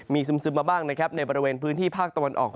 มีซึมมาบ้างนะครับในบริเวณพื้นที่ภาคตะวันออก